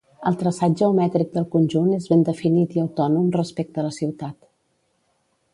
El traçat geomètric del conjunt és ben definit i autònom respecte la ciutat.